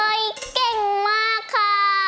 เฮ้ยเก่งมากค่ะ